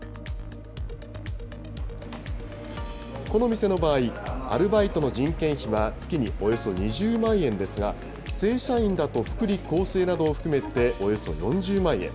この店の場合、アルバイトの人件費は月におよそ２０万円ですが、正社員だと福利厚生などを含めておよそ４０万円。